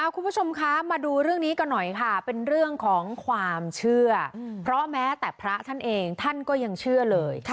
คุณผู้ชมคะมาดูเรื่องนี้กันหน่อยค่ะเป็นเรื่องของความเชื่อเพราะแม้แต่พระท่านเองท่านก็ยังเชื่อเลย